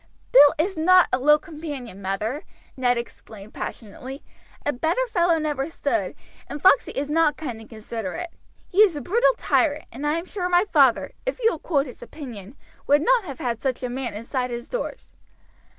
"Bill is not a low companion, mother," Ned exclaimed passionately. "A better fellow never stood, and Foxey is not kind and considerate. He is a brutal tyrant, and I am sure my father, if you will quote his opinion, would not have had such a man inside his doors."